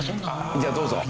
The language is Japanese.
じゃあどうぞ。